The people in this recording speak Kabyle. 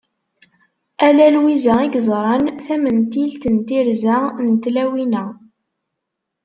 Ala Lwiza i yeẓran tamentilt n tirza n tlawin-a.